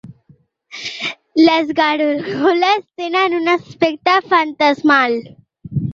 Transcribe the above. Les gàrgoles tenen un aspecte fantasmal.